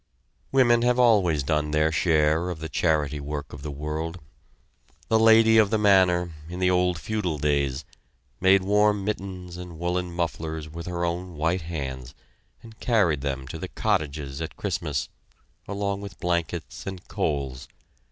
Women have always done their share of the charity work of the world. The lady of the manor, in the old feudal days, made warm mittens and woolen mufflers with her own white hands and carried them to the cottages at Christmas, along with blankets and coals.